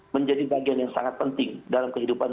menjadi bagian yang sangat penting dalam kehidupan